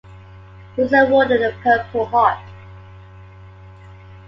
He was awarded the Purple Heart.